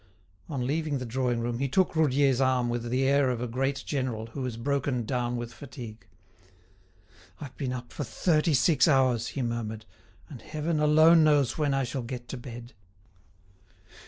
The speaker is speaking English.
On leaving the drawing room, he took Roudier's arm with the air of a great general who is broken down with fatigue. "I've been up for thirty six hours," he murmured, "and heaven alone knows when I shall get to bed!"